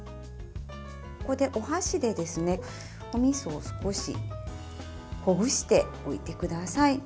ここでお箸で、おみそを少しほぐしておいてください。